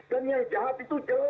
dan yang jahat itu jelas